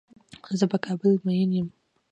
زۀ په کابل مين يم.